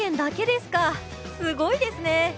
すごいですね！